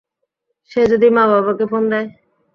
সে যদি মা-বাবাকে ফোন দেয়?